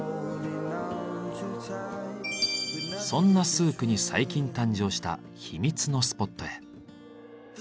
そんなスークに最近誕生した秘密のスポットへ。